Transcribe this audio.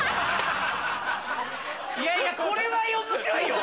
いやいやこれは面白いよ！